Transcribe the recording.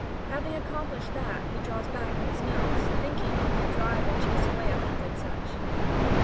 Having accomplished that, he draws back and dismounts, thinking he could drive and chase away a hundred such.